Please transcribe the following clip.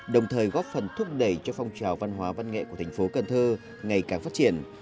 đồng thời góp phần thúc đẩy cho phong trào văn hóa văn nghệ của thành phố cần thơ ngày càng phát triển